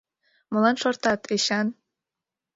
— Молан шортат, Эчан?